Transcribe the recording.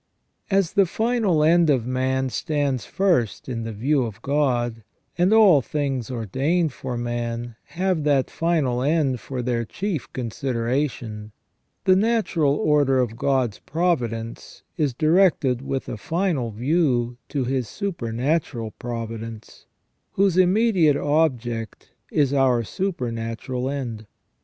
As the final end of man stands first in the view of God, and all things ordained for man have that final end for their chief con sideration, the natural order of God's providence is directed with a final view to His supernatural providence, whose immediate object is our supernatural end.